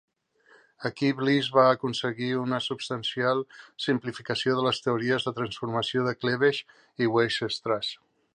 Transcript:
Aquí Bliss va aconseguir una substancial simplificació de les teories de transformació de Clebsch i Weierstrass.